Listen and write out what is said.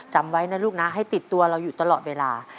จำไว้นะลูกนะให้ติดตัวเราอยู่ตลอดเวลา